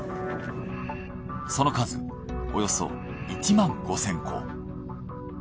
その数およそ１万５，０００個。